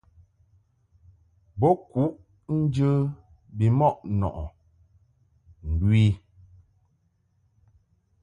Bo kuʼ nje bimɔʼ nɔʼɨ ndu i.